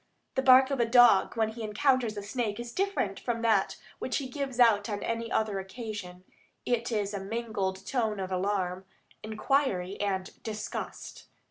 The bark of a dog when he encounters a snake is different from that which he gives out on any other occasion; it is a mingled note of alarm, inquiry, and disgust.